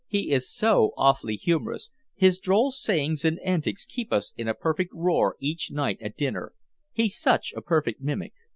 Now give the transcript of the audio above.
"He is so awfully humorous his droll sayings and antics keep us in a perfect roar each night at dinner. He's such a perfect mimic."